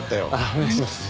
お願いします。